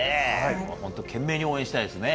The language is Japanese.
本当、懸命に応援したいですね。